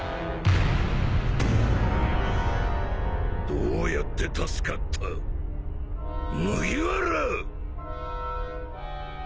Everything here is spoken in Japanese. どうやって助かった麦わら！